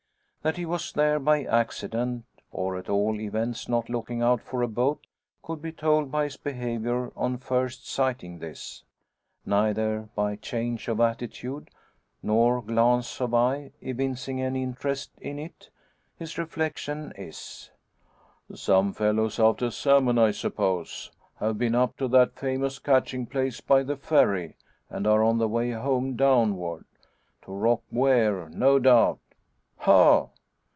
That he was there by accident, or at all events not looking out for a boat could be told by his behaviour on first sighting this; neither by change of attitude nor glance of eye evincing any interest in it. His reflection is "Some fellows after salmon, I suppose. Have been up to that famous catching place by the Ferry, and are on the way home downward to Rock Weir, no doubt? Ha!"